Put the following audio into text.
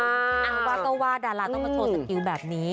อังว่าก็ว่าดาราต้องประโยชน์สติวแบบนี้